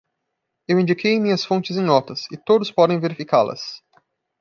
Eu indiquei minhas fontes em notas, e todos podem verificá-las.